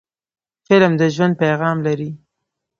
فلم د ژوند پیغام لري